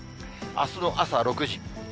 あすの朝６時。